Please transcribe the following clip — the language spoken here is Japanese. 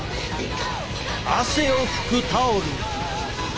汗をふくタオル。